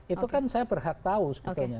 itu kan saya berhak tahu sebetulnya